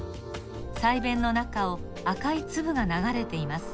鰓弁の中を赤いつぶがながれています。